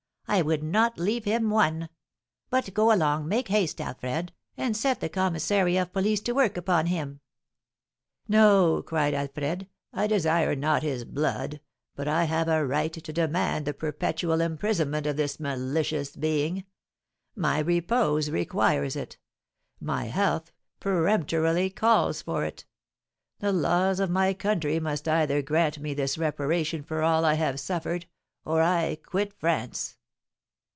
I would not leave him one! But go along; make haste, Alfred, and set the commissary of police to work upon him." "No," cried Alfred, "I desire not his blood; but I have a right to demand the perpetual imprisonment of this malicious being. My repose requires it, my health peremptorily calls for it. The laws of my country must either grant me this reparation for all I have suffered, or I quit France.